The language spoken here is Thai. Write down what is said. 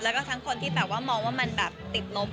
แล้วก็ทั้งคนที่แบบว่ามองว่ามันแบบติดลม